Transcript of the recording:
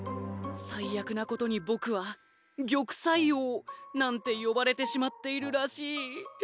最悪なことに僕は「玉砕王」なんて呼ばれてしまっているらしい。